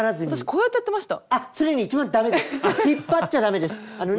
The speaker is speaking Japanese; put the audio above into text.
こうやってやってました